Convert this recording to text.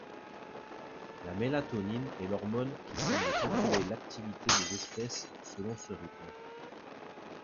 La mélatonine est l'hormone qui semble contrôler l'activité des espèces selon ce rythme.